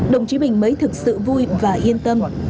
đồng chí mình mới thực sự vui và yên tâm